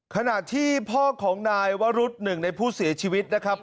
ขณะที่พ่อของนายวรุษหนึ่งในผู้เสียชีวิตนะครับ